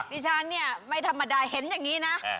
ดิฉันเนี่ยไม่ธรรมดาเห็นอย่างนี้นะ